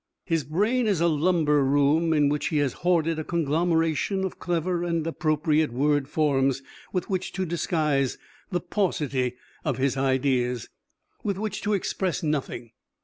His brain is a lumber room in which he has hoarded a conglomeration of clever and appropriate word forms with which to disguise the paucity of his ideas, with which to express nothing!